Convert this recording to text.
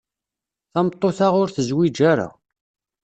Tameṭṭut-a ur tezwij ara.